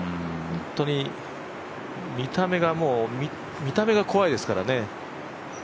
本当に見た目が怖いですからね。